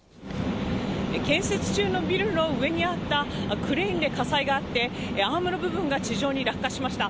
建設中のビルの上にあったクレーンで火災があってアームの部分が地上に落下しました。